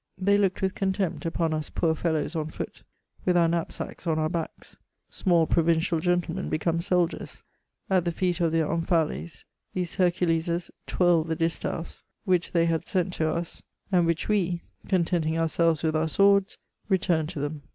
They looked with contempt upon us poor fellows on foot, with our knapsacks on our backs— small provindal gentlemen become soldiers. At the feet of their Omphales these Heiculeses t¥nrled the distaffs, which they had sent to us, and which we, contenting oursdres with our swords, returned to them.